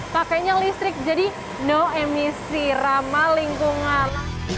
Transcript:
pakainya listrik jadi no emisi ramah lingkungan